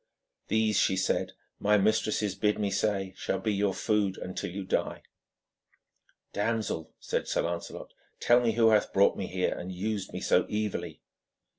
'These,' she said, 'my mistresses bid me say shall be your food until you die.' 'Damsel,' said Lancelot, 'tell me who hath brought me here and used me so evilly.'